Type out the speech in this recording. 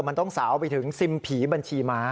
มันต้องสาวไปถึงซิมผีบัญชีม้า